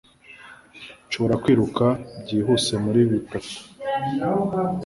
Nshobora kwiruka byihuse muri bitatu.